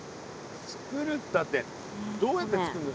つくるったってどうやってつくんの？